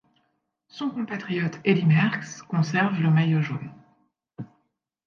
Son compatriote Eddy Merckx conserve le maillot jaune.